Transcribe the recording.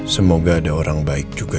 semoga ada orang baik juga